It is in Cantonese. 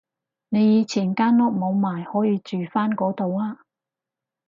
你以前間屋冇賣可以住返嗰度啊